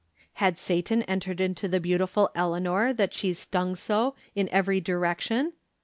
I Iad Satan entered into the beautiful Elea iior that she stung so, in every direction